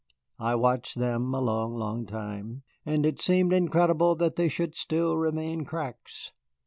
I watched them a long, long time, and it seemed incredible that they should still remain cracks.